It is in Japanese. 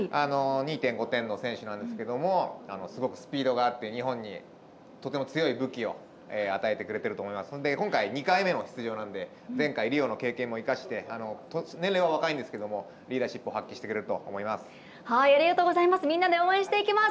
２．５点の選手なんですがすごくスピードがあって日本にとても強い武器を与えてくれてると思いますので今回２回目の出場なのでリオの経験も生かして年齢は若いんですがリーダーシップをありがとうございます。